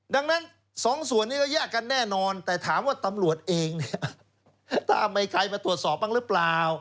ดังนั้นสองส่วนนี้ก็แยกกันแน่นอนแต่ถามว่าตำรวจเองเนี่ยถ้ามีใครมาตรวจสอบบ้างหรือเปล่า